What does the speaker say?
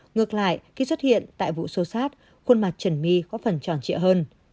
ngược lại khi xuất hiện tại vụ xô xát khuôn mặt trần my có phần tròn trịa hơn